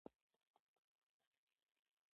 رښتیا ویل د جنت لار ده.